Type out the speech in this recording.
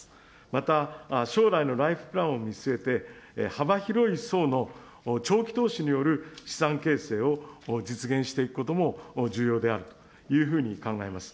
また、将来のライフプランを見据えて、幅広い層の長期投資による資産形成を実現していくことも重要であるというふうに考えます。